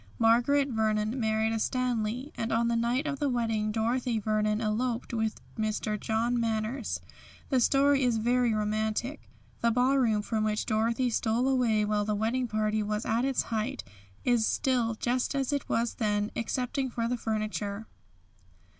Margaret Vernon married a Stanley, and on the night of the wedding Dorothy Vernon eloped with Mr. John Manners. The story is very romantic. The ballroom from which Dorothy stole away when the wedding party was at its height is still just as it was then, excepting for the furniture.